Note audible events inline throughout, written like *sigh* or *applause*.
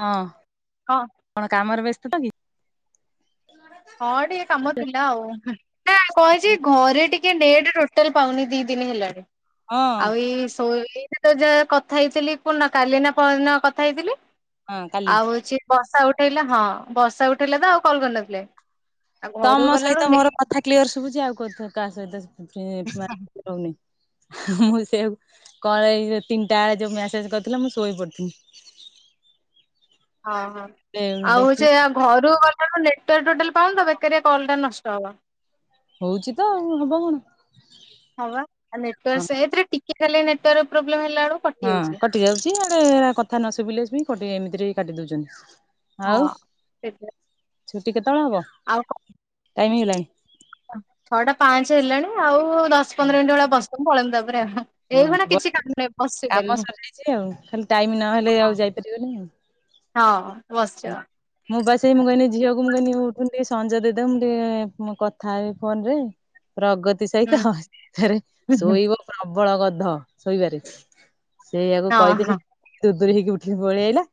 ହଁ। ହଁ। କଣ କାମରେ ବ୍ୟସ୍ତ ତ କି? ହଁ ଟିକେ କାମ ଥିଲା ଆଉ ହୁଁ। ନା କଁ ହେଇଛି ଘରେ ଟିକେ ନେଟ ଟୋଟାଲ ପାଉନି ଦି ଦିନ ହେଲାଣି। ହଁ ଆଉ ଏଇ ଶୋଇଲେ। ଯେତେଯା କଥା ହେଇଥିଲି କୁନ କାଲିନା ପହର ଦିନ କଥା ହେଇଥିଲି ହଁ କାଲି ଆଉ ହଉଛି ବର୍ଷା ଉଠେଇଲା ହଁ ବର୍ଷା ଉଠେଇଲା ତ ଆଉ କଲ କରିନଥିଲେ। ଆଉ ଘରକୁ ତମୋ ଗଲାବେଳୁ ସହିତ ନେ ମୋର କଥା କ୍ଲିୟର ଶୁଭୁଛି ଆଉ କୋଉଥର କାହା ସହିତ କରି ମା ହଉନି ମୁଁ ସେଆକୁ କଳେଇ ତିନିଟା ବେଳେ ଯୋଉଁ ମେସେଜ୍ କରିଥିଲା ମୁଁ ଶୋଇ ପଡ଼ିଥିଲି। ହଁ ହଁ ଦେ ଆଉ ଦେଖି ସେୟା ଘରୁକୁ ଗଲେ ଏଟାରେ ମୋ ନେଟୱାର୍କ ଟୋଟାଲ ପାଉନି ତ ବେକାରିଆ କଲ ଟା ନଷ୍ଟ ହବ। ହଉଛି ତ ଆଉ ହବ କଣ। ହଁ ବା ନେଟୱାର୍କ ହଁ ସେଇଥିରେ ଟିକେ ଖାଲି ନେଟୱାର୍କ ପ୍ରୋବ୍ଲେମ ହେଲା ବେଳୁ ହଁ କଟି ଯାଉଛି ଏଆଡେ କଥା ନ ଶୁଭିଲେ ବିକଟି ଏମିତିରେ କାଟି ଦଉଛନ୍ତି। ଆଉ ହଁ ସେଥିପାଇଁ ଛୁଟି କେତେବେଳେ ହବ? ଆଉ କ ଟାଇମି ହେଇଗଲାଣି। ଛଅଟା ପାଞ୍ଚ ହେଲାଣି ଆଉ ଦଶ ପନ୍ଦର ମିନିଟ ଭଳିଆ ବସନ୍ତୁ ପଳେଇବେ ତା ପରେରେ ଆଉ। ହଁ ଏଇଖୁଣା କିଛି କାମ ବସି ନାହିଁ କାମ ବସିପାରିବି ସରିଯାଇଛି ଆଉ ଖାଲି ଟାଇମ ନହେଲେ ଆଉ ଯାଇପାରିବନି ଆଉ। ହଁ ବସଛ। ମୁଁ ବା ସେଇ ମୁଁ କହିନି ଝିଅକୁ ମୁଁ କଇନି ଉଠନି ଟିକେ ସଞ୍ଜ ଦେଇଦବ ମୁଁ ଟିକେ ମୁଁ କଥା ହେବି ଫୋନ ରେ। ପ୍ରଗତି ସହିତ ହୁଁ। ଫେର ଶୋଇବ ପ୍ରବଳ ଗଧ ଶୋଇବାରେ। ସେଇୟାକୁ ହଁ କହିଥିଲି ହଁ ତୁ ଦୂର ହେଇକି ଉଠିଲି ପଳିଆଇଲା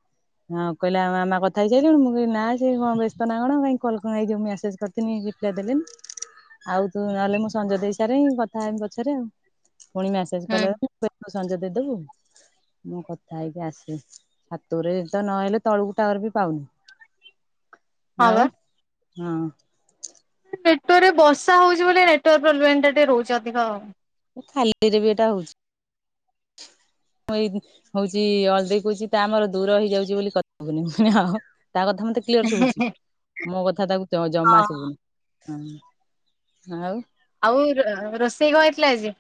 ଆଉ କହିଲା ମାମା କଥା ହେଇ ସାଇଲୁଣି ମୁଁ କହି ନାଁ ସେ କଣ ବ୍ୟସ୍ତ ନା କଣ କାଇଁ କଲ୍ କଉ ମେସେଜ୍ କରିଥିଲି ରିପ୍ଲାଏ ଦେଲେନି। ଆଉ ତୁ ନହେଲେ ମୁଁ ସଞ୍ଜୟ ଦେଇ ସାର କଥା ହେମି ପଛରେ ଆଉ ପୁଣି ମେସେଜ ହୁଁ କଲେ ସଞ୍ଜ ଦେଇଦବୁ? ମୁଁ କଥା ହେଇକି ଆସେ ଛାତରେ ତ ନହଲେ ତଳକୁ ଟାୱାର ବି ପାଉନି ହଁ ବା। ଆଉ ହୁଁ। *unintelligible* ବର୍ଷା ହଉଛି ବୋଲି ନେଟୱାର୍କ ପ୍ରୋବ୍ଲେମ ଏମଟା ଟିକେ ରହୁଛି ଅଧିକ ଆଉ। ଖାଲି ରେ ବି ଏଇଟା ହଉଛି। *inaudible* ହଉଛି ଅଳଦେଇ କହୁଛି ତା ଆମର ଦୂର ହେଇଯାଉଛି ବୋଲି କଥାବୁନି ଆଉ। *inaudible* କ୍ଲିୟର ଶୁଭୁଛି ମୋ କଥା ତାକୁ ଜ ଜମା ହଁ ଶୁଭୁନି। ହଁ ଆଉ ଆଉ ଏ ର ରୋଷେଇ କ ହେଇଥିଲା ଆଜି?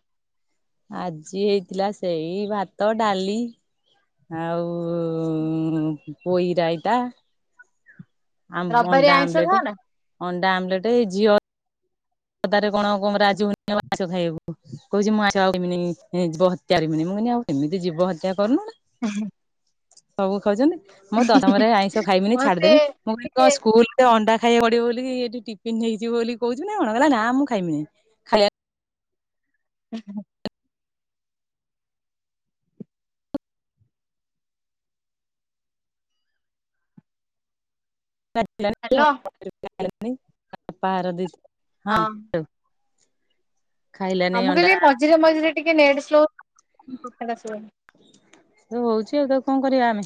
ଆଜି ହେଇଥିଲା ସେଇ ଭାତ ଡାଲି ଆଉ ପୋଇରାଇତା ଆ ରବିବାରିଆ ଅଣ୍ଡା ଆଇଁଷ ଖାଅ ଆମ୍ଲେଟ ନା? ଅଣ୍ଡା ଆମ୍ଲେଟ ଏ ଝିଅ ଦାରେ କଣ କଣ ରାଜୁ ହଉନି ମାଛ ଖାଇବାକୁ? କହୁଛି *inaudible* ହତ୍ୟାରମି ମୁଁ କି ଆଉ କେମିତି ଜିବ ହତ୍ୟା କରୁନୁ *inaudible* ସବୁ ଖାଉଛନ୍ତି ମୁଁ ଦଶମରେ ଆଇଁଷ ଖାଇବିନି ମତେ ଛାଡିଦବି ମୁଁ କ ଟିକେ କ ସ୍କୁଲ ଏ ଅଣ୍ଡା ଖାଇବା ପଡିବ ବୋଲି ଏଠି ଟିଫିିନ ହେଇଛିିବ ବୋଲି କହୁଛିି ନା କଣ କଲା ନା ମୁଁ ଖାଇମିନି। ଖାଇଲାନି *inaudible* ହ୍ୟାଲୋ ହଁ। *inaudible* ଖାଇଲାନି ଆ ମୁକୁ ଅଣ୍ଡା କହିଲେ ମଝିରେ ମଝିରେ ଟିକେ ନେଡ ସ୍ଲୋ *inaudible* ତ ହଉଛି ଆଉ ତ କଣ କରିବା ଆମେ?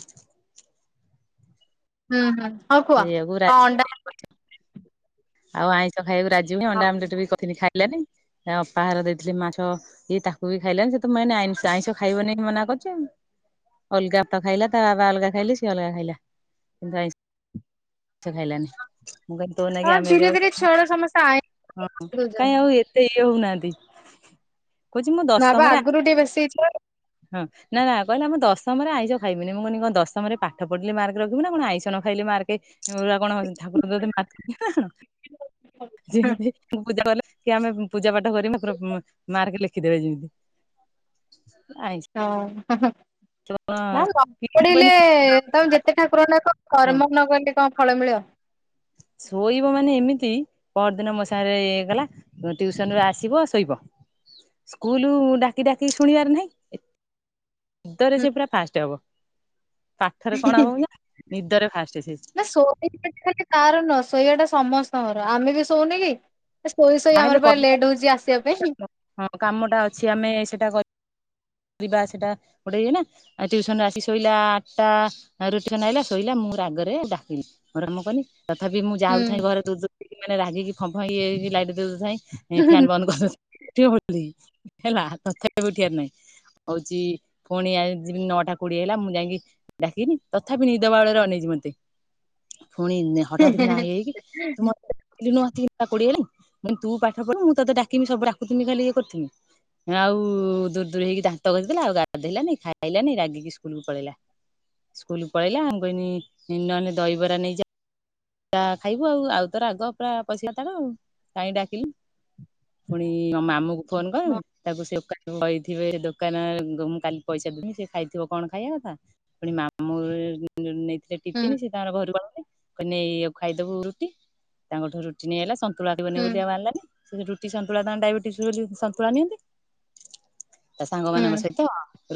ହୁଁ ହୁଁ। ହଉ କୁହ ସେଇଆକୁ କଣ ଅଣ୍ଡା ରାଜିବ ଆଉ ଆଇଁଷ ଖାଇବାକୁ ରାଜିବନି ଅଣ୍ଡା ହଁ। ଆମଟ ବିିନି ଖାଇ *inaudible* ଅପାହାର ଦେଇଥିଲି ମାଛ ଇଏ ତାକୁ ବି ଖାଇଲାନି ସେ ତ ମଁ ଆ ଆଇଁଷ ଖାଇବନି ମନା କରୁଛ ଆଉ। ଅଲଗା ତ ଖାଇଲା ତା ବାବା ଅଲଗା ଖାଇଲି ସିଏ ଅଲଗା ଖାଇଲା। ମାଛ ଖାଇଲାନି ମୁଁ କି ତୋଉ ନ କି ହଁ ଆମେ ବି ଧୀରେ ଆଉ ଧୀରେ ଛୁଆଗୁରା ସମସ୍ତେ ହଁ ଆଇଁଷ ଦଉଛନ୍ତି। କାଇଁ ଆଉ ଇଏ ଇଏ ହଉନାହାନ୍ତି କହୁଛି ମୁଁ ଦଶମରେ *unintelligible* *unintelligible* ହଁ ନା ନା କହିଲା ମୁଁ ଦଶମରେ ଆଇଷ ଖାଇବିନି ମୁଁ କନି କଣ ଦଶମରେ ପାଠ ପଢିଲି ମାର୍କ ରଖିବି ଆଇଁଷ ଖାଇଲେ ମାର୍କ *inaudible* ଠାକୁର ଦେ *inaudible* ପୂଜା କଲେ କି ଆମେ ପ ପୂଜା ପାଠ କରି ତାର ମ ମାକେ ଲେଖିଦେବେ ଯେମିତି। *inaudible* *inaudible* ନାଁ କଣ ନ ମୁଁ ପଢିଲେ କହିଲି ତମ ଯେତେ ଠାକୁର ନାଁ କ ହଁ କରମ ନ କଲେ କଣ ଫଳ ମିଳ। ଶୋଇବ ମାନେ ଏମିତି ପରଦିନ ମୋ ସାଗେରେ ଇଏ କଲା। ଟିଉସନ୍ ରୁ ଆସିବ ଶୋଇବ ସ୍କୁଲ ଡାକି ଡାକି ଶୁଣିବାର ନାହିଁ। ଗୀତରେ ହୁଁ ସିଏ ପୁରା ଫାଷ୍ଟ ହବ। ପାଠରେ କଣ ହବ ନାଁ ନିଦରେ ଫାଷ୍ଟ ସେ। ନା ଖାଲି ତାର ନୁହ ଶୋଇବା ଟା ସମସ୍ତଙ୍କର ଆମେ ବି ଶୋଉନ କି। ଶୋଇ ଶୋଇ ତାହେଲେ ଆମର ପୁରା କରିବା। ଲେଟ୍ ହଉଛି ଆସିବା ପାଇଁ। ହଁ କାମଟା ଅଛି ଆମେ ସେଇଟା କ ଯିବା ସେଟା ଗୋଟେ ଇଏ ନାଁ। ଆ ଟିଉସନରୁ ଆସି ଶୋଇଲା ଆଠଟା ରୁଟିଖଣ୍ଡେ ଆଇଲା ଶୋଇଲା ମୁଁ ରାଗରେ ଡାକିଲି। ଘର କାମ କଲି। ତଥାପି ମୁଁ ହୁଁ ଯାଉଥାଏ ଘରେ ଦୂ ଦକି ମାନେ ରାଗିକି ଫମ୍ଫ ଫମ୍ଫ ଲାଇଟ୍ ଦେଇ ଦଉ ଥାଏ ଫ୍ୟାନ୍ ହଁ ବନ୍ଦ କରି *unintelligible* ହେଲା ତଥା ବି ଉଠିବାର ନାହିଁ। ହଉଛି ପୁଣି ଆ ଯିବି ନଅଟା କୋଡିଏ ହେଲା ମୁଁ ଯାଇକି ଡାକିନି ତଥାପି ନିଦବାଉଲାରେ ଅନେଇଛି ମତେ ପୁଣି ହଠାତ୍ କିନା ଆଇ ଆଇକି ତୁ ମ ଉଠୁନୁ ଆସିକି ତିନି ଟା କୋଡିଏ ହେଲାଣି ମୁଁ କହିଲି ତୁ ପାଠ ପଢ଼ିବୁ ମୁଁ ତତେ ଡାକି ବି ସବୁବେଳେ ଡାକୁଥିମି ଖାଲି ଇଏ କରୁଥିବି। ଆଉ ଦୁ ଦୂରୁ ଦୂରୁ ହେଇକି ଦାନ୍ତ ଘସିଲା ଆଉ ଗାଧେଇଲାନି ଖାଇଲାନି ରାଗିକି ସ୍କୁଲକୁ ପଳେଇଲା। ସ୍କୁଲ ପଳେଇଲା ମୁଁ କହିନି ନହଲେ ଦହିବରା ନେଇଯା। ତା ଖାଇବୁ ଆଉ ଆଉ ତାର ରାଗ ପୁରା ପସିଲା ତାର ଆଉ କାହିଁକି ଡାକିଲୁ ଫୁଣି ମାମୁଁଙ୍କୁ ଫୋନ୍ କଲୁ ତାକୁ ସେଉ କାଟି କହିଥିବେ ଦୋକାନ ମୁଁ କାଲି ପଇସା ଦେବି ସେ ଖାଇଥିବ କଣ ଖାଇବା କଥା ପୁଣି ମାମୁଁ ନେଇଥିଲେ ହୁଁ ଟିଫିନି ସେ ତାଙ୍କର ଘରୁ ନେଇ ଏଇଆକୁ ଖାଇଦବୁ ରୁଟି ତାଙ୍କଠୁ ରୁଟି ନେଇଗଲା ସନ୍ତୁଳା ହୁଁ ବନେଇ ବ ବୋଲି ଆଉ ଆଣିଲାନି। ସେ ରୁଟି ସନ୍ତୁଳା ତାଙ୍କ ଡାଇବେଟିସ୍ ବୋଲି ସନ୍ତୁଳା ନିଅନ୍ତି। ତା ସାଙ୍ଗ ହୁଁ ମାନଙ୍କ ସହିତ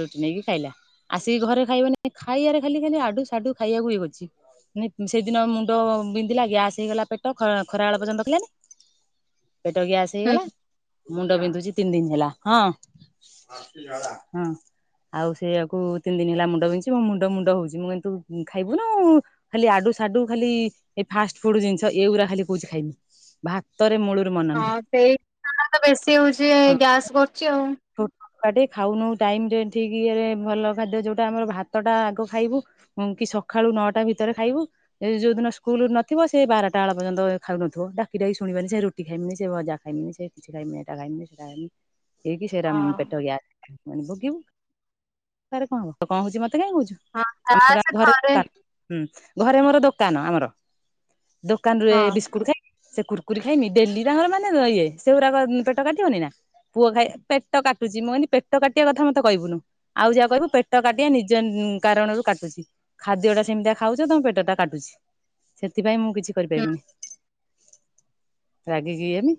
ରୁଟି ନେଇକି ଖାଇଲା। ଆସିକି ଘରେ ଖାଇବନି ଖାଇବାରେ ଖାଲି ଖାଲି ଆଡୁ ସାଡୁ ଖାଇବାକୁ ଇଏ କରୁଛି ମାନେ ସେ ଦିନ ମୁଣ୍ଡ ବିନ୍ଧିଲା ଗ୍ୟାସ୍ ହେଇଗଲା ପେଟ ଖରାବେଳ ପର୍ଯ୍ୟନ୍ତ *unintelligible* ପେଟ ଗ୍ୟାସ୍ ହୁଁ ହେଇଗଲା ମୁଣ୍ଡ ବିନ୍ଧୁଛି ତିନି ଦିନ ହେଲା ହଁ ହଁ। ଆଉ ସେଇୟାକୁ ତିନି ଦିନି ହେଲା ମୁଣ୍ଡ ବିନ୍ଧୁଛିି ମୋ ମୁଣ୍ଡ ମୁଣ୍ଡ ହଉଛି ମୁଁ କିହିଲି ତୁ ଖାଇବୁନୁ ଖାଲି ଆଡୁ ସ୍ ସାଡୁ ଖାଲି ଏ ଫାଷ୍ଟ୍ ଫୁଡ୍ ଜିନିଷ ଏଇଗୁଡ଼ା ଖାଲି କହୁଛି ଖାଇବି ଭାତରେ ମୂଳରୁ ମନ ନାହିଁ। ହଁ ସେଇ *unintelligible* ବେଶୀ ହଉଛି ହଁ ଗ୍ୟାସ୍ କରୁଛି ଆଉ। ଛୋଟ ଛୁଆଟେ ଖାଉନୁ ଟାଇମ୍ ରେ ଠିକ୍ ଇଏରେ ଭଲ ଖାଦ୍ୟ ଯୋଉଟା ଆମର ଭାତ ଟା ଆଗ ଖାଇବୁ। ହଁ କି ସକାଳୁ ନଅଟା ଭିତରେ ଖାଇବୁ ସେ ଯୋଉ ଦିନ ସ୍କୁଲ ନଥିବ ସେ ବାରଟା ବେଳ ପର୍ଯ୍ୟନ୍ତ ଖାଉନଥିବ ଡାକିଡାକି ଶୁଣିବନି ସେ ରୁଟି ଖାଇବି ନି ସେ ଭଜା ଖାଇ ବିନି ସେ କିଛି ଖାଇବିନି ଏଟା ଖାଇ ମିନି ସେଟା ଖାଇବିନି। ସେରା ହଁ ପେଟ ଗ୍ୟାସ୍ ମୁଁ କହିଲି ଭୋଗିବୁ କଣ ହବ କଣ ହୋଉଛି ମତେ କାହିଁ କହୁଛୁ। ହଁ *unintelligible* ଗ୍ୟାସ୍ ଥରେ ହୁଁ ଘରେ ମୋର ଦୋକାନ ଆମର ଦୋକାନରୁୁ ହଁ ବିସ୍କୁଟ ସେ କୁର୍କୁରି ଖାଇନି ଡେଲି ତାଙ୍କର ମାନେ ଇଏ ସେଗୁଡ଼ାକ ପେଟ କାଟିବନି ନା ପୁଅ ଖାଇ ପେଟ କାଟୁଛି ମୁଁ କହିଲି ପେଟ କାଟିବା କଥା ମତେ କହିବୁନୁ। ଆଉ ଯାହା କହିବୁ ପେଟ କାଟିବା ନିଜ କାରଣରୁ କାଟୁଛି। ଖାଦ୍ୟ ଟା ସେମିତିଆ ଖାଉଛ ତମ ପେଟ ଟା କାଟୁଛି ସେଥିପାଇଁ ମୁଁ କିଛି ହୁଁ କରିପାରିବିନି। ରାଗିକି ଇଏହେଲି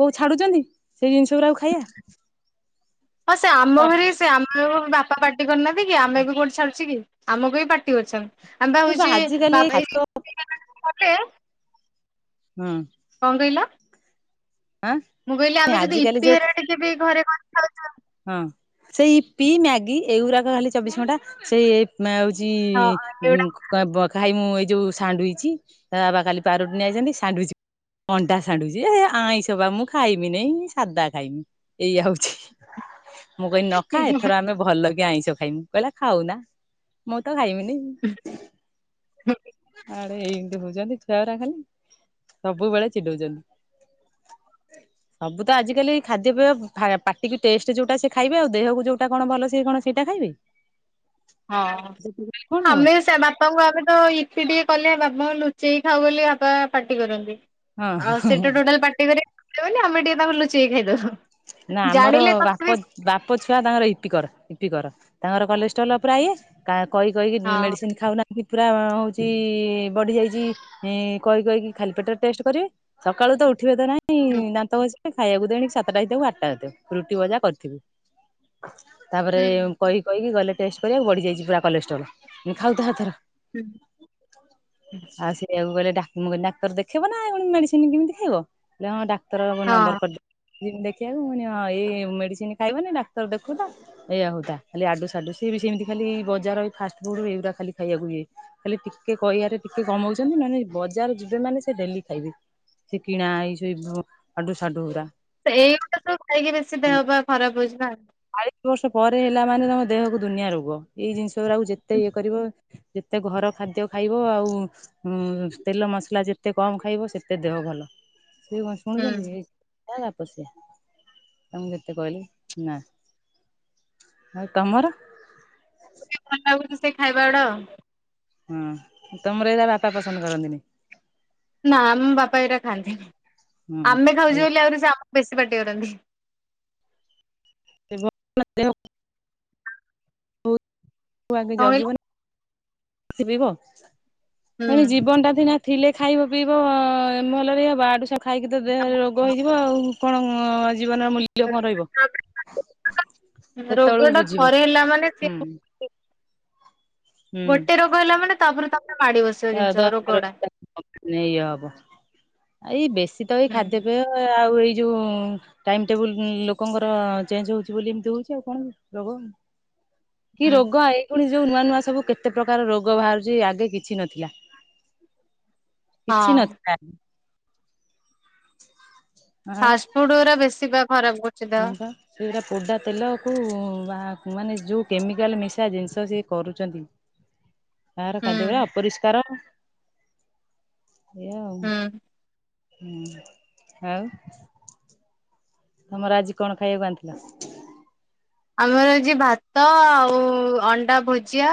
କୋଉ ଛାଡୁଛନ୍ତି ସେଇ ଜିନିଷ ଗୁରାକୁ ଖାଇବା। ହଁ ସେ ଆମ ଘରେ ସେ ଆମ ବାପା ପାଟି କରୁନାହାଁନ୍ତି କି ଆମେ ବି କୋଉଠି ଛାଡୁଛୁ କି ଆମକୁ ବି ପାଟି କରୁଛନ୍ତି ଆମେପା ହଉଛି ଆମେ ଯୋଉ *inaudible* ଆଜିକାଲି ଏଇ ଗପି ଖାଦ୍ୟ ହେରିକା କଲେ ହଁ। କଣ କହିଲ? ମୁଁ କହିଲି ଆମେ ଯଦି ଆଜିକାଲି ଇପି ଯୋଉ ହେରା ଟିକେ ବି ଘରେ କରି ଖାଉଛୁ। ହଁ ସେଇ ଇପି ମ୍ୟାଗି ଏଇଗୁଡାକ ଖାଲି ଚବିଶ ଘଣ୍ଟା ସେ ନାଁ ହଉଛି? ହଁ ଏଗୁଡା କ ଖାଇ ମୁଁ ଏଇ ଯୋଉ ସାାଣ୍ଡୁଇଜ୍ ତା ବାବା କାଲି ପାରୁଟି ନେଇଆଛନ୍ତି ସାଣ୍ଡୁଇଜ୍ ଅଣ୍ଡା ସାଣ୍ଡୁଇଚ୍ ଏ ଆଇଁଷ ବା ମୁଁ ଖାଇମି ନି ସାଧା ଖାଇମି ଏଇଆ ହଉଛି। ମୁଁ କହିଲି ନଖା ଏଥର ଆମେ ଭଲ କି ଆଇଁଷ ଖାଇମୁ କହିଲା ଖାଉ ନା ମୁଁ ତ ଖାଇମିନି *unintelligible* ଆରେ କହୁଛନ୍ତି ଛୁଆଗୁରା ଖାଲି ସବୁବେଳେ ଚିଡଉଛନ୍ତି। ସବୁ ତ ଆଜିକାଲି ଖାଦ୍ୟପେୟ ଫାୟ ପା ପାଟି କୁ ଟେଷ୍ଟ୍ ଯୋଉଟା ସିଏ ଖାଇବେ, ଆଉ ଦେହକୁ ଯୋଉଟା କଣ ଭଲ ସେ କଣ ସେଇଟା ଖାଇବେ! ହଁ କଣ ଆମେ ସେ ବାପ ତ ଆମେ ତ ଇପୀ ଟିକେ କଲେ, ବାପା ଲୁଚେଇକି ଖାଉ ବୋଲି ବାପା ପାଟି କରନ୍ତି। ହବ ଆଉ ହଁ ସେତ ଟୋଟାଲ ପାଟି କରିବେଲି ଆମେ ଟିକେ ତାଙ୍କୁ ଲୁଚେଇ ଖାଇଦହୁ। ନା ଆମର ଜାଣିଲେ ବାପ ତଥାପି ବାପ ଛୁଆ ତାଙ୍କର ଇପିକର, ଇପିକର ତାଙ୍କର କଲେଜ ଚଲା ପ୍ରାୟସ କା କଇ କଇ ହଁ ମେଡିସିନ ଖାଉନା ବି ପରା ହଉଛି ବଢି ଯାଇଛି, କହି କହିକି ଖାଲି ପେଟରେ ଟେଷ୍ଟ କରିବେ। ସକାଳୁ ତ ଉଠ୍। ଉଠିବେ ତ ନାଇଁ ହୁଁ ଦାନ୍ତ ଘସିବେ ଖାଇବାକୁ ଦେଣିକି, ସାତଟା ହେଇଥାଉ, କି ଆଠଟା ହେଇଥାଉ ରୁଟି ଭଜା କରିଥିବି। ତାପରେ କହି କହିକି ଗଲେ ଟେଷ୍ଟ କରିବାକୁ ବଢିଯାଇଛି ପୁରା କଲେଷ୍ଟ୍ରୋଲ। ଖାଉଥା ଏଥର। ହୁଁ ହୁଁ। ଆଉ ସେଇଆକୁ ଗଲେ ଡା ମୁଁ କହିଲି, ଡାକ୍ତର ଦେଖେଇବ ନା ପୁଣି ମେଡିସିନ କେମିତି ଖାଇବ? କହିଲେ ହଁ ଡାକ୍ତର ହଁ। ନମ୍ବର କରିଦେ ଯିବି ଦେଖ *unintelligible* ଏଇ ମେଡ଼ିସିନ ଖାଇବନି ଡାକ୍ତର ଦେଖୁ ତ। ଏଇଆ ହଉ ଥା, ଖାଲି ଆଡୁ ସାଡୁ ସିଏ ବି ସେମିତି ଖାଲି ବଜାରଇ ଫାଷ୍ଟ ଫୁଡୁ ଏଗୁଡା ଖାଲି ଖାଇବାକୁ ହୁଏ। ଖାଲି ଟିକେ କହିବାରେ ଟିକେ କମଉଛନ୍ତି, ନଲେ ବଜାର ଯିବେ ମାନେ ସେ ଡେଲି ଖାଇବି। ସେ କିଣା ଏଇ ସେଇ ବୁ ଆଡୁ ସାଡୁ ଗୁରା। ଏଇଗୁଟା କ ଖାଇକି, ବେଶୀ ଦେହ ପା ଖରାପ ହଉଚି ନା! ଚାଳିଶ ବର୍ଷ ପରେ ହେଲା ମାନେ ତମ ଦେହକୁ ଦୁନିଆ ରୋଗ, ଏଇ ଜିନିଷ ଗୁଡାକୁ ଯେତେ ଇଏ କରିବ। ଯେତେ ଘର ଖାଦ୍ୟ ଖାଇବ ଆଉ ହୁଁ ତେଲ ମସଲା ଯେତେ କମ ଖାଇବ, ସେତେ ଦେହ ଭଲ ସେ କଣ ଶୁଣୁଚନ୍ତି। ହୁଁ। ଏଇ ତାଙ୍କୁ ଯେତେ କହିଲି, ନା ଆଉ ତମର ମୋତେ ଭଲ ଲାଗୁଛି ସେଇ ଖାଇବାଗୁଡ଼ା। ହଁ, ତମର ଏଇରା ବାପା ପସନ୍ଦ କରନ୍ତିନି? ନା ଆମ ବାପା ଏଇରା ଖାଆନ୍ତିନି, ହୁଁ ଆମେ ଖାଉଚୁ ଏଇ ବୋଲି ଆହୁରି ସେ ଆମକୁ ବେଶୀ ପାଟି କରନ୍ତି। *unintelligible* ତୁ ଆଗେ କଣ କହିଲ? ଜଗିବୁନା। ସେ ପାଇବ! ମାନେ ହୁଁ। ଜୀବନଟା ସିନା ଥିଲେ ଖାଇବ, ପିଇବ, ମହଲରେ ଇଏ ହବ ଆଡୁସାଡୁ ଖାଇକି, ତ ଦେହରେ ରୋଗ ହେଇଯିବ ଆଉ କଣ ଜୀବନର ମୂଲ୍ୟ? କିଲ କଣ ରହିବ, ରୋଗ ସେତେବେଳକୁ ଟା ବୁଝିବ ଥରେ ହେଲା ମାନେ ସେ ହୁଁ। ହୁଁ ଗୋଟେ ରୋଗ ହେଲା ମାନେ ତାପରେ, ତାପରେ ମାଡି ବସେ। *unintelligible* ଇଏ ହବ ଏଇ ବେଶୀ ତ ଏଇ ହୁଁ ଖାଦ୍ୟ ପେୟ। ଏ ଆଉ ଏଇ ଯୋଉ ଟାଇମ ଟେବୁଲ ଲୋକଙ୍କର ଚେଞ୍ଜ ହଉଚି ବୋଲି ଏମିତି ହଉଚି, ଆଉ କଣ କି ରୋଗ! କି ହୁଁ। ରୋଗ ଏଇଖୁଣି ଯୋଉ ନୂଆ, ନୂଆ ସବୁ କେତେ ପ୍ରକାର ରୋଗ ବାହାରୁଚି, ଆଗେ କିଛି ନଥିଲା। କିଛି ହଁ ନଥିଲା। ଆଉ ଫାଷ୍ଟଫୁଡ ଗୁରା ବେଶୀ ବା ଖରାପ କରୁଛି। ଦେହ। ହଁ ବା। ସେଗୁଡା ପୋଡ଼ା ତେଲକୁ ବା ମାନେ ଯୋଉ କେମିକାଲ ମିଶା ଜିନିଷ ସିଏ କରୁଚନ୍ତି *unintelligible* ବାହାର ହୁଁ ଖାଦ୍ୟ ହୁଏ, ଅପରିଷ୍କାର ଏୟା ଆଉ। ହୁଁ। ହୁଁ ଆଉ, ତମର ଆଜି କଣ ଖାଇବାକୁ ଆଣିଥିଲ? ଆମର ଆଜି ଭାତ ଆଉ ଅଣ୍ଡା ଭୁଜିଆ,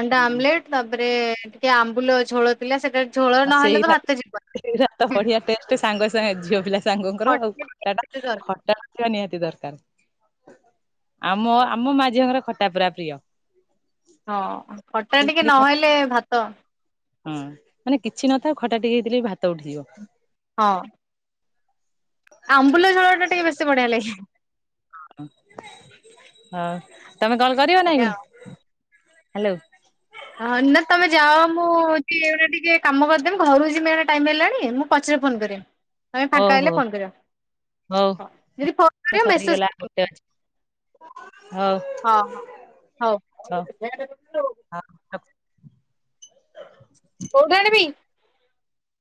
ଅଣ୍ଡା ହଁ ଆମଲେଟ୍, ତାପରେ ଟିକେ ଆମ୍ବୁଲ ଝୋଳ ଥିଲା ସେଟା ଝୋଳ ନହେଲେ ତ ଭାତ ଯିବନି, *unintelligible* ବଢ଼ିଆ ଟେଷ୍ଟ୍ ସାଙ୍ଗ ସାଙ୍ଗେ ଝିଅ ପିଲା ସାଙ୍ଗଙ୍କର ଆଉ ଖଟା ଟା ଖଟା ତ୍ୟ ନିହାତି ଦରକାର ଆମ-ଆମ ମା ଝିଅଙ୍କର ଖଟା ପୁରା ପ୍ରିୟ, ହଁ ଖଟା ଟିକେ ଯେମିତି ଖ ନହେଲେ ଭାତ, ହଁ ମାନେ କିଛି ନଥାଉ ଖଟା ଟିକେ ହେଇଥିଲେ ଭାତ ଉଠିଯିବ, ହଁ, ଆମ୍ବୁଲଝୋଳ ଟା ଟିକେ ବେଶୀ ବଢ଼ିଆ ଲାଗେ, ହଁ ତମେ କଲ୍ କରିବନା ଆଜ୍ଞା ଏଇଖୁଣି ହ୍ୟାଲୋ? ହଁ ନା ତମେ ଯାଅ ମୁ ଟିକେ ଇଆଳେ ଟିକେ କାମ କରିଦେବି ଘରୁ ଯିମି ଟାଇମ୍ ହେଲାଣି ମୁଁ ପଛରେ କଲ୍ କରିବି, ତମେ ହଉ ଫାଙ୍କା ହେଲେ ହଉ ଫୋନ୍ କରିବ ହଉ ଅ ଯଦି ଫୋନକରିବ ମେସେଚ୍ ସରିଗଲା ଗୋଟେ କରିଦେବ, ଅଛି ହଉ, ହଁ-ହଁ ହଉ, *unintelligible* କୋଉଟା ଆଣିବି?